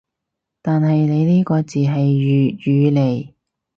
但係你呢個字係粵語嚟